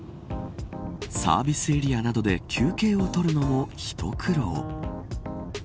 サービスエリアなどで休憩をとるのも一苦労。